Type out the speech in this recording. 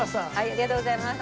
ありがとうございます。